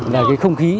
là cái không khí